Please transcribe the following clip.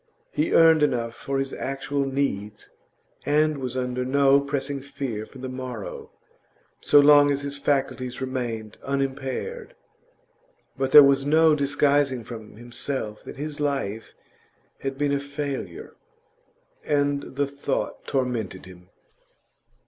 He earned enough for his actual needs, and was under no pressing fear for the morrow, so long as his faculties remained unimpaired; but there was no disguising from himself that his life had been a failure. And the thought tormented him.